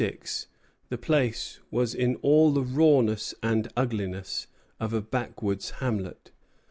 ] In 1746 the place was in all the rawness and ugliness of a backwoods hamlet.